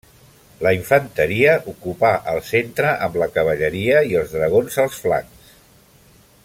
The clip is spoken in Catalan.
La infanteria ocupà el centre amb la cavalleria i els dragons als flancs.